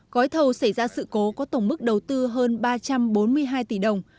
gói thầu xảy ra sự cố có tổng mức đầu tư hơn ba trăm bốn mươi hai tỷ đồng